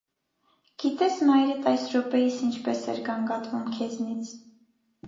Գիտե՞ս մայրդ այս րոպեիս ինչպես էր գանգատվում քեզնից: